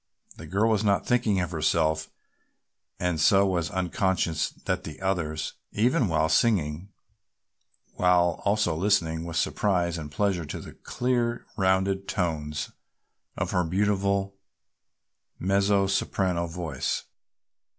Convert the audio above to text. The girl was not thinking of herself and so was unconscious that the others, even while singing, were also listening with surprise and pleasure to the clear, rounded tones of her beautiful mezzo soprano voice.